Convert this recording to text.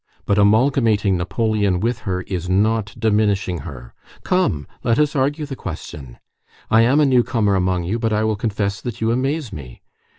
But amalgamating Napoleon with her is not diminishing her. Come! let us argue the question. I am a newcomer among you, but I will confess that you amaze me.